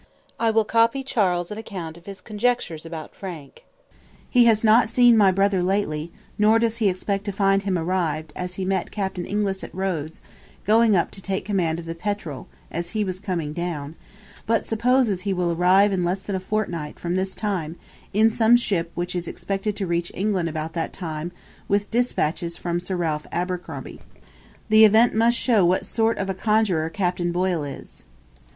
I will copy Charles's account of his conjectures about Frank: "He has not seen my brother lately, nor does he expect to find him arrived, as he met Captain Inglis at Rhodes, going up to take command of the 'Petrel,' as he was coming down; but supposes he will arrive in less than a fortnight from this time, in some ship which is expected to reach England about that time with dispatches from Sir Ralph Abercrombie." The event must show what sort of a conjuror Captain Boyle is.